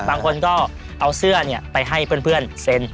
บางคนก็เอาเสื้อไปให้เพื่อนเซ็น